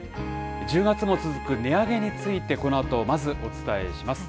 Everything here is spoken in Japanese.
１０月も続く値上げについて、このあとまずお伝えします。